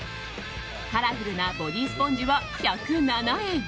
カラフルなボディスポンジは１０７円。